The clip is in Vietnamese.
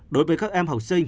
đối với các em học sinh